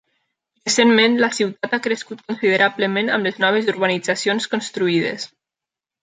Recentment, la ciutat ha crescut considerablement amb les noves urbanitzacions construïdes.